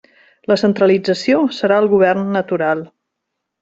La centralització serà el govern natural.